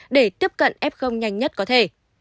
để tiếp cận f nhanh nhất có thể